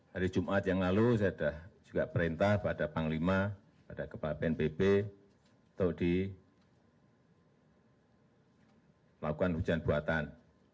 hari jumat yang lalu saya sudah juga perintah pada panglima pada kepala bnpb untuk dilakukan hujan buatan